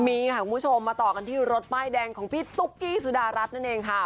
มีค่ะคุณผู้ชมมาต่อกันที่รถป้ายแดงของพี่ตุ๊กกี้สุดารัฐนั่นเองค่ะ